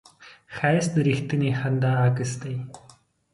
ښایست د رښتینې خندا عکس دی